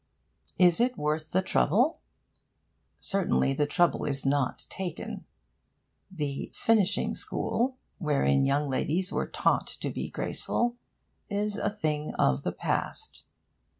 Is it worth the trouble? Certainly the trouble is not taken. The 'finishing school,' wherein young ladies were taught to be graceful, is a thing of the past.